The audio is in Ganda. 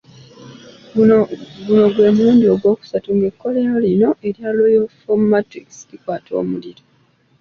Guno gwe mulundi ogwokusatu ng'ekkolero lino erya Royal Foam mattress likwata omuliro.